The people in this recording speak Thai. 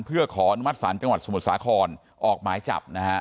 เพื่อขออนุมัติศาลจังหวัดสมุทรสาครออกหมายจับนะฮะ